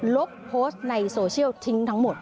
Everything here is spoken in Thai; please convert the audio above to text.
ลบโพสต์ในโซเชียลทิ้งทั้งหมด